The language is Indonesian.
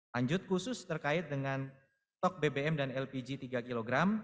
lanjut khusus terkait dengan stok bbm dan lpg tiga kg